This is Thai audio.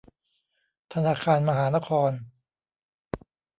ธนาคารมหานคร